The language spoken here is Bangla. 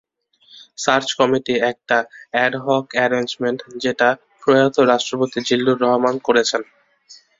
সার্চ কমিটি একটা অ্যাডহক অ্যারেঞ্জমেন্ট, যেটা প্রয়াত রাষ্ট্রপতি জিল্লুর রহমান করেছেন।